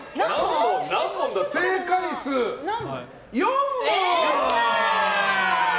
正解数４問！